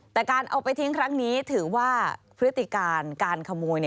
แต่การเอาไปทิ้งครั้งนี้ถือว่าพฤติการการขโมย